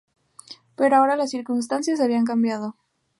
Pero ahora las circunstancias habían cambiado.